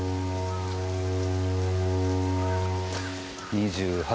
２８！